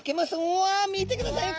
おわ見てください